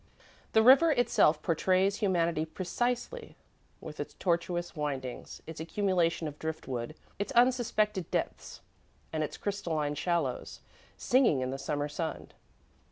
The river itself portrays humanity precisely, with its tortuous windings, its accumulation of driftwood, its unsuspected depths, and its crystalline shallows, singing in the Summer sun.